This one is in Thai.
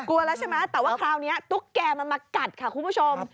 กลัวแล้วใช่ไหมแต่ว่าคราวนี้ตุ๊กแก่มันมากัดค่ะคุณผู้ชม